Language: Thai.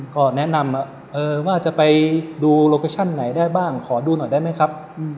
ก็แนะนำว่าจะไปดูโลเคชั่นไหนได้บ้างขอดูหน่อยได้ไหมครับ